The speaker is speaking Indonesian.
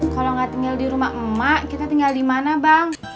kalau nggak tinggal di rumah emak kita tinggal di mana bang